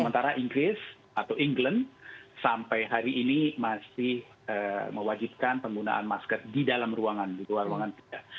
sementara inggris atau england sampai hari ini masih mewajibkan penggunaan masker di dalam ruangan di luar ruangan kita